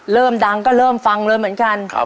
เริ่มดังก็เริ่มฟังเลยเหมือนกัน